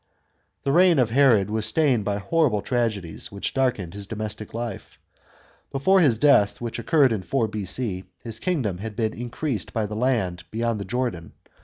The reign of Herod was stained by horrible tragedies, which darkened his domestic life. Before his death, which occurred in 4 B.C., his kingdom had been increased by the land beyond the Jordan.